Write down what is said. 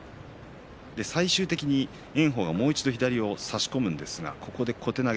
最終的に炎鵬がもう一度左を差し込むんですがここで小手投げ。